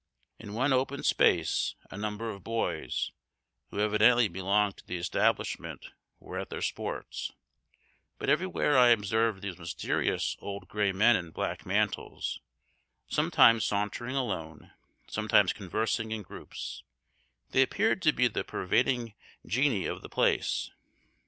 In one open space a number of boys, who evidently belonged to the establishment, were at their sports, but everywhere I observed those mysterious old gray men in black mantles, sometimes sauntering alone, sometimes conversing in groups; they appeared to be the pervading genii of the place.